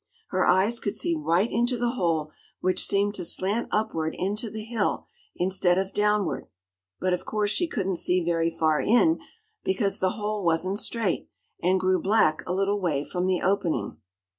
Her eyes could see right into the hole, which seemed to slant upward into the hill instead of downward; but of course she couldn't see very far in, because the hole wasn't straight, and grew black a little way from the opening.